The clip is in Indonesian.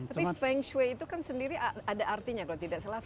tapi feng shui itu kan sendiri ada artinya kalau tidak salah